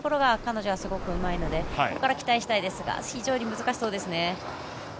彼女はすごくうまいので期待したいですが非常に難しそうですね。